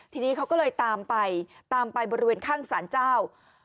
ทีนี้เขาก็เลยตามไปตามไปบริเวณข้างสารเจ้า